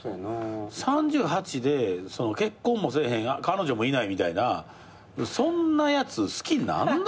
３８で結婚もせえへん彼女もいないみたいなそんなやつ好きになんの？